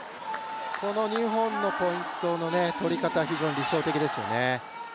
この２本のポイントの取り方非常に理想的ですよね。